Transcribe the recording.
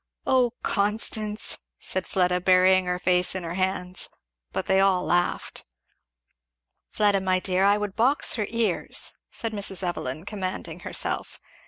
"Oh Constance!" said Fleda, burying her face in her hands. But they all laughed. "Fleda my dear, I would box her ears," said Mrs. Evelyn commanding herself.